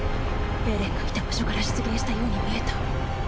エレンがいた場所から出現したように見えた。